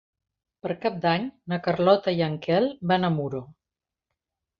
Per Cap d'Any na Carlota i en Quel van a Muro.